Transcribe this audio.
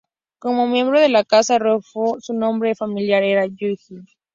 Como miembro de la casa real Zhou, su nombre familiar era Ji.